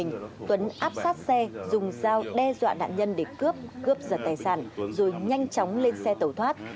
trên mục mình tuấn áp sát xe dùng dao đe dọa nạn nhân để cướp cướp giật tài sản rồi nhanh chóng lên xe tẩu thoát